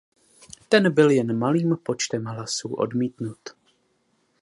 Ten byl jen malým počtem hlasů odmítnut.